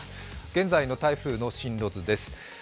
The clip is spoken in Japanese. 現在の台風の進路図です。